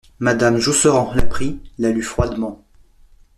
Madame Josserand la prit, la lut froidement.